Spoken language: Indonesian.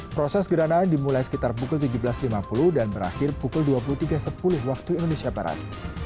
proses gerhana dimulai sekitar pukul tujuh belas lima puluh dan berakhir pukul dua puluh tiga sepuluh waktu indonesia barat